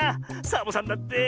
サボさんだって！